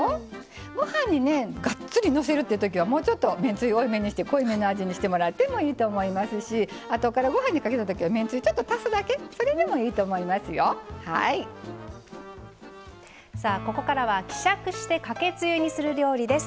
ご飯にがっつりのせるっていうときにはめんつゆを多いめにして濃いめの味にしていただいてもいいと思いますしあとからご飯にかけたときはめんつゆちょっと足すだけここからは希釈してかけつゆにする料理です。